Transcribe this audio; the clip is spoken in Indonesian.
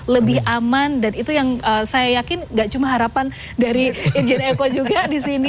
lebih aman dan itu yang saya yakin gak cuma harapan dari irjen eko juga di sini